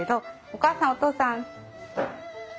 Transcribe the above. お母さんお父さん。